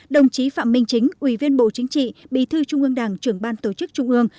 đồng chí phạm minh chính ủy viên bộ chính trị bì thư trung ương đảng trưởng ban tổ chức trung ương